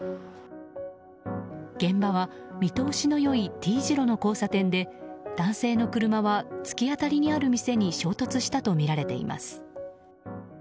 現場は見通しの良いＴ字路の交差点で男性の車は突き当たりにある店に衝突したとみられています。